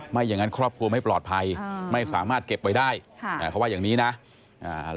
อย่างงั้นครอบครัวไม่ปลอดภัยไม่สามารถเก็บไว้ได้ค่ะอ่าเขาว่าอย่างนี้นะอ่า